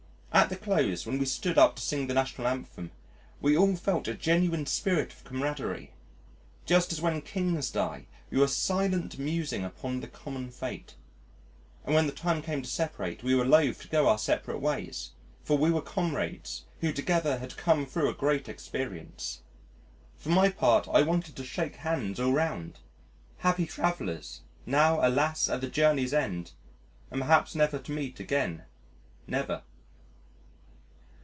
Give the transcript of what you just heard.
At the close when we stood up to sing the National Anthem we all felt a genuine spirit of camaraderie. Just as when Kings die, we were silent musing upon the common fate, and when the time came to separate we were loath to go our several ways, for we were comrades who together had come thro' a great experience. For my part I wanted to shake hands all round happy travellers, now alas! at the journey's end and never perhaps to meet again never.